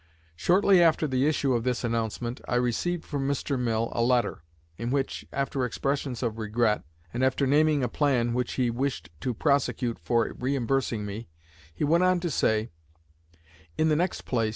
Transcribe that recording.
Shortly after the issue of this announcement I received from Mr. Mill a letter, in which, after expressions of regret, and after naming a plan which he wished to prosecute for re imbursing me, he went on to say, "In the next place